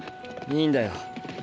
いいんだよ。